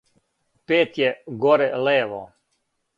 пет је горе лево